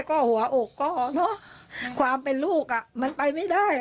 ก็เห็นนะว่าพ่อก็ฆ่าจะตาย